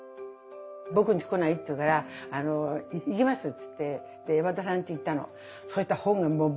「僕んち来ない？」って言うから「行きます」っつって和田さんち行ったの。